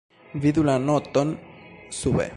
Vidu la noton sube.